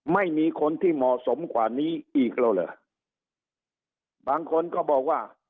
ไม่มีคนที่เหมาะสมกว่านี้อีกแล้วเหรอบางคนก็บอกว่า